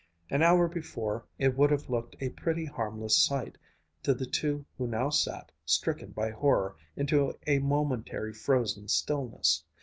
An hour before, it would have looked a pretty, harmless sight to the two who now sat, stricken by horror into a momentary frozen stillness.